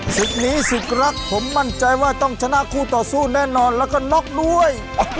ศึกนี้ศึกรักผมมั่นใจว่าต้องชนะคู่ต่อสู้แน่นอนแล้วก็น็อกด้วย